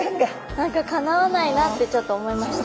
何かかなわないなってちょっと思いました。